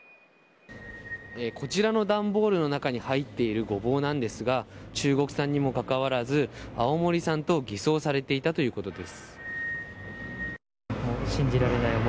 こちらの段ボールの中に入っているゴボウなんですが中国産にもかかわらず青森産と偽装されていたということです。